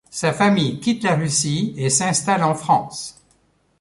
Sa famille quitte la Russie et s'installe en France.